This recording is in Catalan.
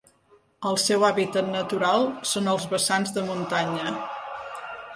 El seu hàbitat natural són els vessants de muntanya.